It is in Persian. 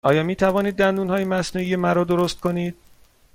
آیا می توانید دندانهای مصنوعی مرا درست کنید؟